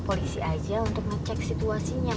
tulanan nya sempit ya